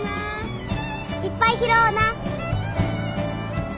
いっぱい拾おうな。